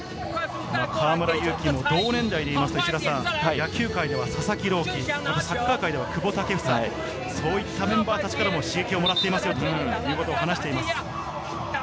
河村勇輝も同年代でいいますと、野球界では佐々木朗希、サッカー界では久保建英、そういったメンバーたちからも刺激をもらっていますと話しています。